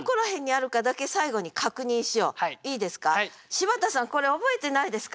柴田さんこれ覚えてないですか？